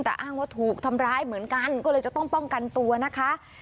แต่อ้างว่าถูกทำร้ายเหมือนกันก็เลยจะต้องป้องกันตัวนะคะ